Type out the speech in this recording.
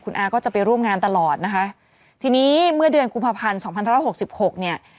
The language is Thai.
คุณอาก็จะไปร่วมงานตลอดนะคะทีนี้เมื่อเดือนกุมภัณฑ์๒๐๖๖เนี่ย